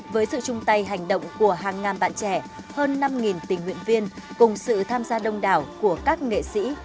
với sự chung tay hành động của hàng ngàn bạn trẻ hơn năm tình nguyện viên cùng sự tham gia đông đảo của các nghệ sĩ